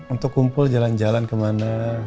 untuk kumpul jalan jalan kemana